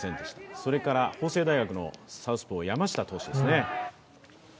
それから法政大学のサウスポー、山下投手ですね。